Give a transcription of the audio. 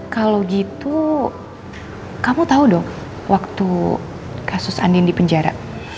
kalau gitu kamu tahu dong waktu kasus andin di penjara